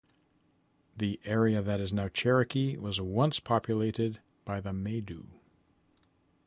The area that is now Cherokee was once populated by the Maidu.